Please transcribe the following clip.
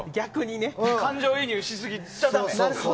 感情移入しすぎちゃダメだと。